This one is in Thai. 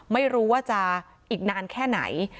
ไม่รู้ว่าจะอีกนานแค่ไหน